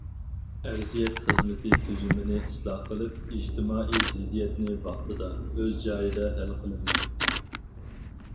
ئەرزىيەت خىزمىتى تۈزۈمىنى ئىسلاھ قىلىپ، ئىجتىمائىي زىددىيەتنى ۋاقتىدا، ئۆز جايىدا ھەل قىلىمىز.